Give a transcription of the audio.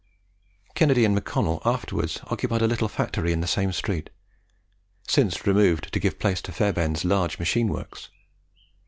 Kennedy and MacConnel afterwards occupied a little factory in the same street, since removed to give place to Fairbairn's large machine works.